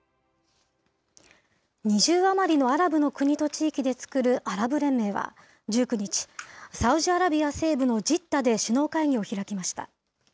２０余りのアラブの国と地域で作るアラブ連盟は１９日、サウジアラビア西部のジッダで首脳会議を開きました。